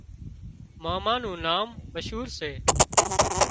ماما نُون نام مشهور سي